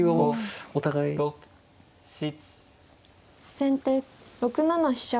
先手６七飛車。